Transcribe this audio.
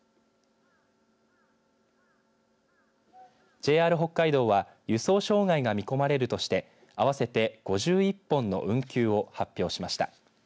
ＪＲ北海道は輸送障害が見込まれるとして合わせて５１本の運休を発表しました。